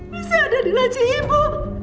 bisa ada di laci ibu